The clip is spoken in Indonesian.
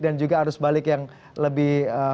dan juga arus balik yang lebih